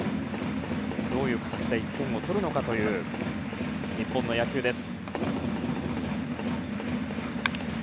どういう形で１点を取るのかという日本の野球です。